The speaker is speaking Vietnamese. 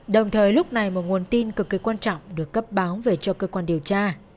đồng thời lúc này một nguồn tin cực kỳ quan trọng được cấp báo về cho cơ quan điều tra